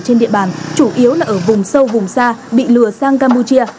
trên địa bàn chủ yếu là ở vùng sâu vùng xa bị lừa sang campuchia